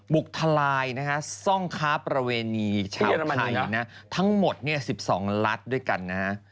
ทลายนะฮะซ่องค้าประเวณีชาวไทยนะทั้งหมด๑๒ลัดด้วยกันนะฮะ